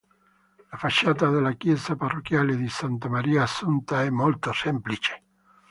La facciata della chiesa parrocchiale di Santa Maria Assunta è molto semplice.